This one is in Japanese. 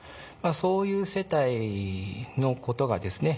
そういう世帯のことがですね